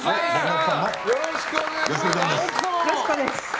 よろしくお願いします。